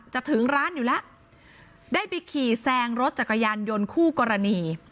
ถึงร้านอยู่แล้วได้ไปขี่แซงรถจักรยานยนต์คู่กรณี